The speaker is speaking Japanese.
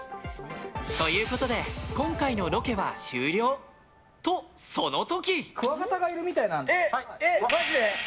ということで、今回のロケは終了と、その時。